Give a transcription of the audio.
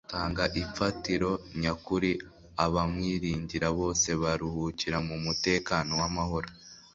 Atanga imfatiro nyakuri. Abamwiringira bose baruhukira mu mutekano w'amahoro.